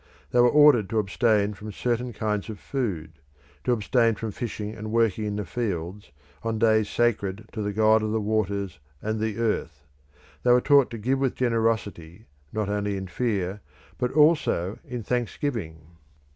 They were ordered to abstain from certain kinds of food; to abstain from fishing and working in the fields on days sacred to the gods of the waters and the earth; they were taught to give with generosity not only in fear, but also in thanksgiving.